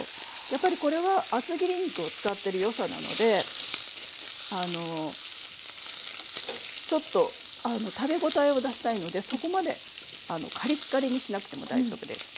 やっぱりこれは厚切り肉を使ってるよさなのでちょっと食べ応えを出したいのでそこまでカリッカリにしなくても大丈夫です。